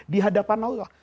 di hadapan allah